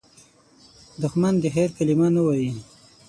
دښمن د خیر کلمه نه وايي